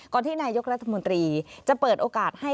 ที่นายกรัฐมนตรีจะเปิดโอกาสให้